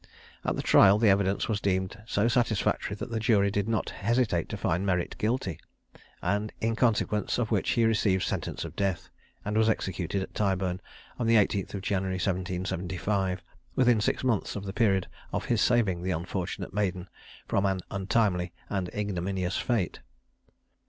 At the trial the evidence was deemed so satisfactory that the jury did not hesitate to find Merritt guilty; in consequence of which he received sentence of death, and was executed at Tyburn on the 18th of January, 1775, within six months of the period of his saving the unfortunate Maden from an untimely and ignominious fate.